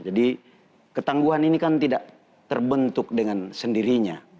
jadi ketangguhan ini kan tidak terbentuk dengan sendirinya